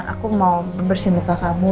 aku mau bersih muka kamu